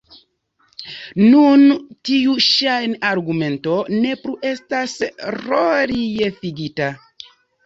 Nun tiu ŝajn-argumento ne plu estas reliefigita.